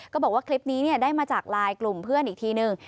บอกว่าคลิปนี้ได้มาจากไลน์กลุ่มเพื่อนอีกทีนึง